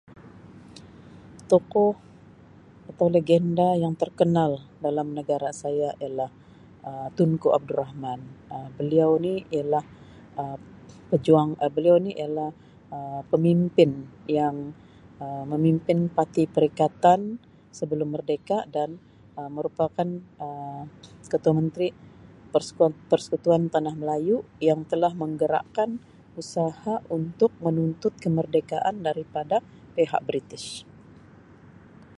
Tokoh atau lagenda yang terkenal dalam negara saya ialah Um Tunku Abdul Rahman, Um beliau ni ialah Um pejuang Um beliau ni ialah Um pemimpin yang Um memimpin parti perikatan sebelum merdeka dan Um merupakan Um Ketua Menteri Persku Persekutuan Tanah Melayu yang telah menggerakkan usaha untuk menuntut kemerdekaan daripada pihak British.